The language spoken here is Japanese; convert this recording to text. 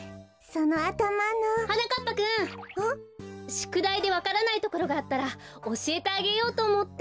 しゅくだいでわからないところがあったらおしえてあげようとおもって。